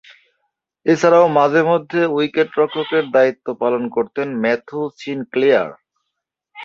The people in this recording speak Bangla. এছাড়াও, মাঝে-মধ্যে উইকেট-রক্ষকের দায়িত্ব পালন করতেন ম্যাথু সিনক্লেয়ার।